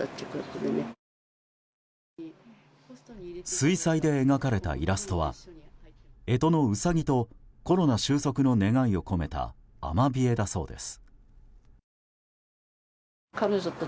水彩で描かれたイラストは干支のウサギとコロナ収束の願いを込めたアマビエだそうです。